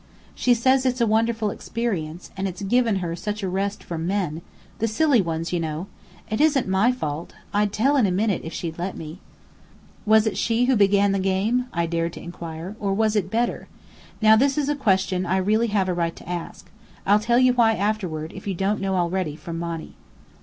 She says it's a wonderful experience and it's given her such a rest from men: the silly ones, you know. It isn't my fault. I'd tell in a minute if she'd let me." "Was it she who began the game?" I dared to inquire. "Or was it Bedr? Now, this is a question I really have a right to ask. I'll tell you why afterward, if you don't know already from Monny."